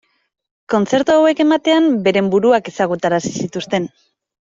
Kontzertu hauek ematean, beren buruak ezagutarazi zituzten.